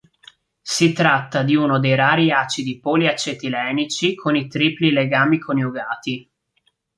Si tratta di uno dei rari acidi poliacetilenici con i tripli legami coniugati.